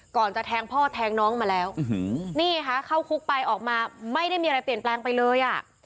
จะแทงพ่อแทงน้องมาแล้วนี่ค่ะเข้าคุกไปออกมาไม่ได้มีอะไรเปลี่ยนแปลงไปเลยอ่ะ